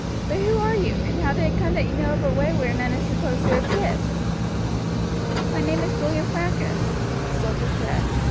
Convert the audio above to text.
But who are you, and how did it come that you know of a way where none is supposed to exist?" "My name is William Francus," the soldier said.